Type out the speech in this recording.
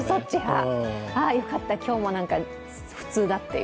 よかった、今日も普通だという。